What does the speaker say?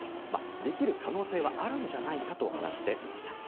できる可能性はあるんじゃないかと話していました。